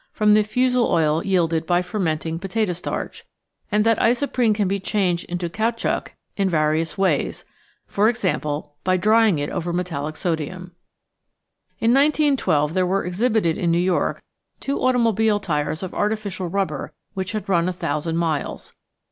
from the fusel oil yielded by fermenting potato starch; and that isoprene can be changed into caoutchouc in va rious ways, e.g. by drying it over metallic sodium. In 1912 there were exhibited in New York two automobile tyres of artificial rubber which had run a thousand miles.